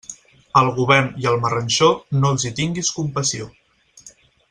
Al govern i al marranxó, no els hi tinguis compassió.